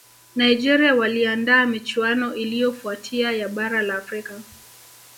nigeria waliandaa michuano iliyofuatia ya bara la afrika